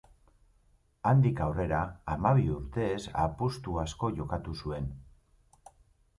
Handik aurrera, hamabi urtez, apustu asko jokatu zuen.